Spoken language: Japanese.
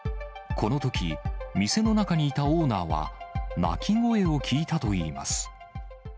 このとき、店の中にいたオーナーは、泣き声を聞いたといいます。